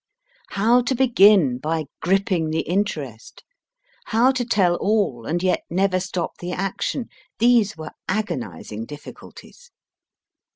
How to begin by gripping the interest, how to tell all and yet never stop the action these were agonising difficulties.